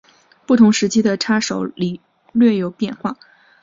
不同时期的叉手礼略有变化。